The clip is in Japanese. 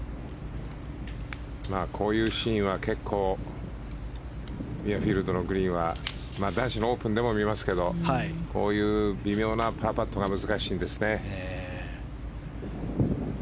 こういうシーンは結構、ミュアフィールドのグリーンは男子のオープンでも見ますけどこういう微妙なパーパットが難しいんですね。